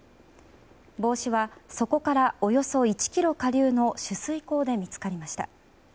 帽子はそこからおよそ１ｋｍ下流の取水口で見つかりました。